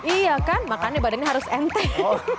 iya kan makanya badannya harus enteng